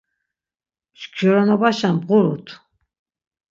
Mşkironobaşen bğurut.